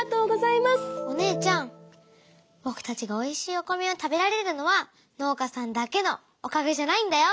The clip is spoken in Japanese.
お姉ちゃんぼくたちがおいしいお米を食べられるのは農家さんだけのおかげじゃないんだよ。